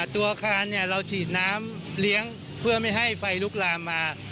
ตัวอาคารเราฉีดน้ำเลี้ยงเพื่อไม่ให้ไฟลุกลามมา